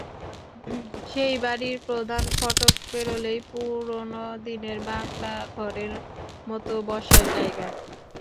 সেই বাড়ির প্রধান ফটক পেরোলেই পুরোনো দিনের বাংলা ঘরের মতো বসার জায়গা।